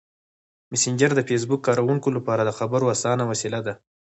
مسېنجر د فېسبوک کاروونکو لپاره د خبرو اسانه وسیله ده.